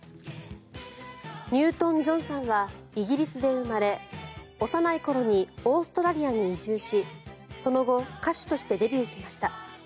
ニュートン・ジョンさんはイギリスで生まれ幼い頃にオーストラリアに移住しその後歌手としてデビューしました。